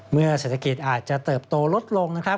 เมื่อเศรษฐกิจอาจจะเติบโตลดลงนะครับ